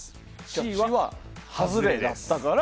Ｃは外れです。